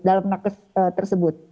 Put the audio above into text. dalam narkotis tersebut